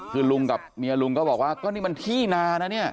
คือลุงกับเมียลุงก็บอกว่าก็นี่มันที่นานะเนี่ย